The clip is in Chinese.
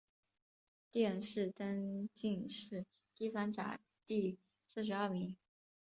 殿试登进士第三甲第四十二名。